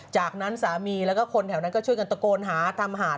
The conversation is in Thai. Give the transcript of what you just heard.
จากนั้นสามีแล้วก็คนแถวนั้นก็ช่วยกันตะโกนหาทำหาด